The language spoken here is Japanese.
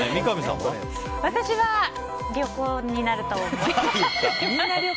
私は旅行になると思います。